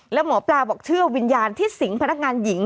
แล้วหมอปลาบอกเชื่อวิญญาณที่สิงพนักงานหญิง